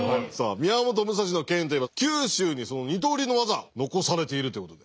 宮本武蔵の剣といえば九州にその二刀流の技残されているということで。